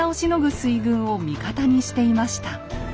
水軍を味方にしていました。